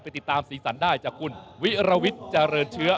ติดตามสีสันได้จากคุณวิรวิทย์เจริญเชื้อ